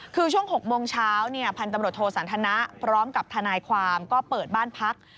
คือช่วง๖โมงเช้าเนี่ยพันธมรถโทสันธนะพร้อมกับทนายความก็เปิดบ้านพัก